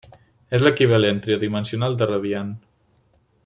És l'equivalent tridimensional del radian.